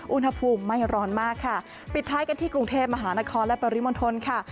อุณหภูมิไม่ร้อนมากค่ะปิดท้ายกันที่กรุงเทพมหานครและปริมณฑลค่ะ